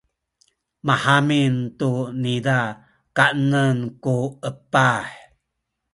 mahamin tu niza kanen ku epah.